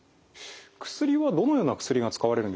薬はどのような薬が使われるんでしょうか？